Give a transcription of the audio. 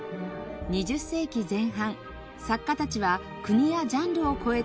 ２０世紀前半作家たちは国やジャンルを超えて刺激し合い